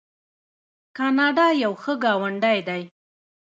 کاناډا یو ښه ګاونډی دی.